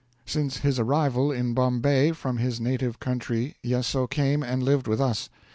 Since his arrival in Bombay from his native country Yesso came and lived with us.